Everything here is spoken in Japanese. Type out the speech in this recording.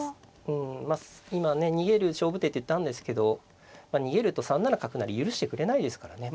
うん今ね逃げる勝負手って言ったんですけど逃げると３七角成許してくれないですからね。